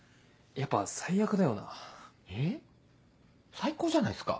最高じゃないっすか。